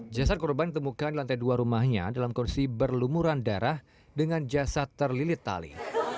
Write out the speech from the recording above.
jasad korban ditemukan di lantai dua rumahnya dalam kondisi berlumuran darah dengan jasad terlilit tali